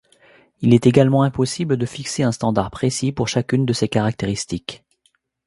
Il est également impossible de fixer un standard précis pour chacune de ces caractéristiques.